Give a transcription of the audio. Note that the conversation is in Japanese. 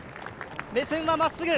目線はまっすぐ。